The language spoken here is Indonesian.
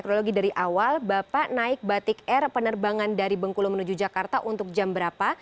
kronologi dari awal bapak naik batik air penerbangan dari bengkulu menuju jakarta untuk jam berapa